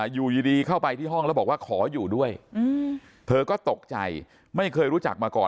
อยู่ดีเข้าไปที่ห้องแล้วบอกว่าขออยู่ด้วยเธอก็ตกใจไม่เคยรู้จักมาก่อน